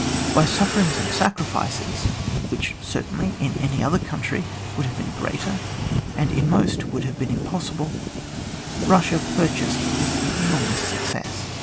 By suffer ings and sacrifices (which certainly in any other country would have been greater, and in most would have been impossible) Eussia purchased this enor mous success.